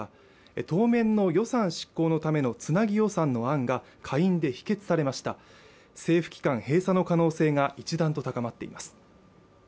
当面の予算執行のためのつなぎ予算の案が下院で否決されました政府機関閉鎖の可能性が一段と高まっています